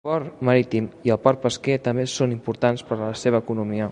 El port marítim i el port pesquer també són importants per a la seva economia.